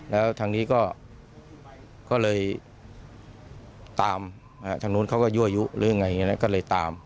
แล้วทางนี้ก็เลยตามทางนู้นเขาก็ยั่วยุเรื่องอะไรอย่างนี้ก็เลยตาม